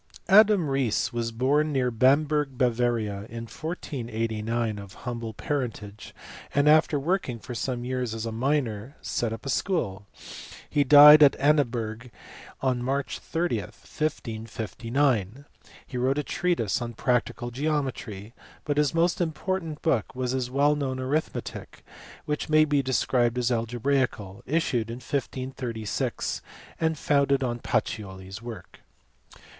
Adam Riese^ was born near Bamberg, Bavaria, in 1489 of humble parentage, and after working for some years as a miner set up a school; he died at Annaberg on March 30, 1559. He wrote a treatise on practical geometry, but his most important book was his well known arithmetic (which may be described as algebraical) issued in 1536 and founded on Pacioli s work.